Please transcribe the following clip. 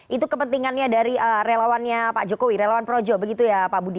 itu kepentingannya dari relawannya pak jokowi relawan projo begitu ya pak budi